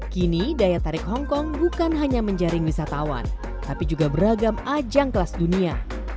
kini daya tarik hongkong bukan hanya menjaring wisatawan tapi juga beragam ajang kelas dunia